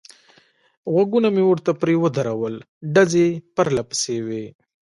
غوږونه مې ورته پرې ودرول، ډزې پرله پسې وې.